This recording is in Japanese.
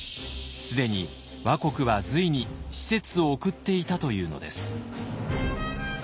既に倭国は隋に使節を送っていたというのです。